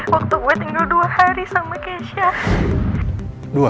waktu gua tinggal dua hari sama kesha